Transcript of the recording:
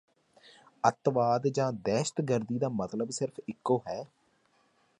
ਅੱਤਵਾਦ ਜਾਂ ਦਹਿਸ਼ਤਗਰਦੀ ਦਾ ਮਤਲਬ ਸਿਰਫ਼ ਇੱਕੋ ਹੈ